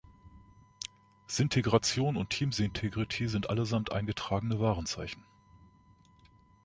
„Syntegration“ und „Team Syntegrity“ sind allesamt eingetragene Warenzeichen.